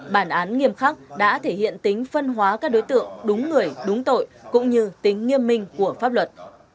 bản án nghiêm khắc đã thể hiện tính phân hóa các đối tượng đúng người đúng tội cũng như tính nghiêm minh của pháp luật